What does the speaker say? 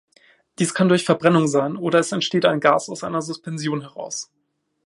Dies kann durch Verbrennung sein, oder es entsteht ein Gas aus einer Suspension heraus.